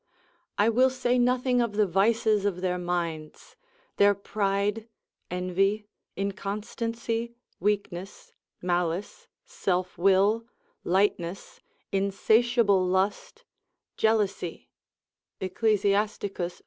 I will say nothing of the vices of their minds, their pride, envy, inconstancy, weakness, malice, selfwill, lightness, insatiable lust, jealousy, Ecclus.